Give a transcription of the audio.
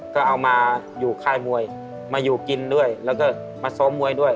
ก็เอามาอยู่ค่ายมวยมาอยู่กินด้วยแล้วก็มาซ้อมมวยด้วย